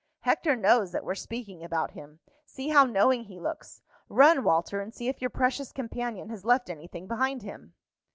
"Hector knows that we're speaking about him. See how knowing he looks! Run, Walter, and see if your precious companion has left anything behind him."